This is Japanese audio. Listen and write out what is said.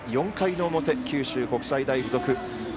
４回の表、九州国際大付属。